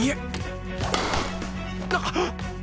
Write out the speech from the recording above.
あっ！